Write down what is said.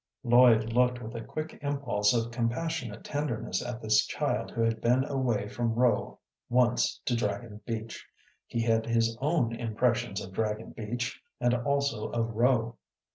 Lloyd looked with a quick impulse of compassionate tenderness at this child who had been away from Rowe once to Dragon Beach. He had his own impressions of Dragon Beach and also of Rowe.